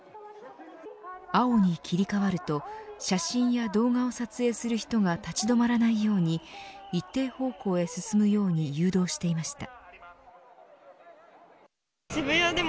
青に切り替わると写真や動画を撮影する人が立ち止まらないように一定方向へ進むように誘導していました。